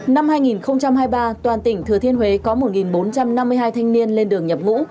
năm hai nghìn hai mươi ba toàn tỉnh thừa thiên huế có một bốn trăm năm mươi hai thanh niên lên đường nhập ngũ